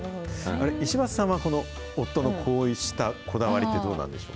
石橋さんはこの夫のこうしたこだわりってどうなんでしょう。